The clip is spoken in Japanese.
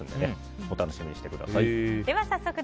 お楽しみにしてください。